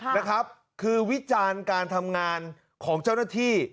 นะครับคือวิจารณ์การทำงานของเจ้าหน้าที่